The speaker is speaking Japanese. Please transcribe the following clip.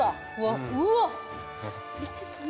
うわっ！